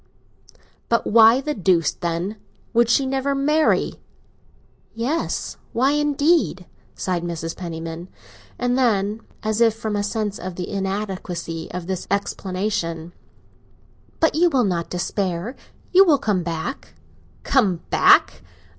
"But why the deuce, then, would she never marry?" "Yes—why indeed?" sighed Mrs. Penniman. And then, as if from a sense of the inadequacy of this explanation, "But you will not despair—you will come back?" "Come back?